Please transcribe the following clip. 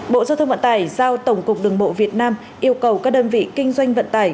bộ giao thông vận tải giao tổng cục đường bộ việt nam yêu cầu các đơn vị kinh doanh vận tải